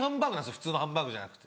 普通のハンバーグじゃなくて。